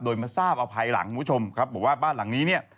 โดยมาทราบเอาภายหลังคุณผู้ชมครับบอกว่าบ้านหลังนี้เนี่ย